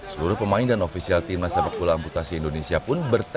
seluruh pemain dan ofisial timnas sepak bola amputasi indonesia pun bertanya